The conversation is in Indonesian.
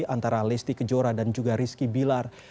antara lesti kejora dan juga rizky bilar